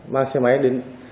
mang xe máy đến